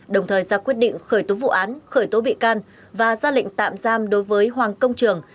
đồng thời ra quyết định khởi tố vụ án khởi tố bị can và ra lệnh tạm giam đối với hoàng công trường